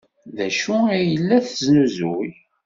D acu ay la tesnuzuy?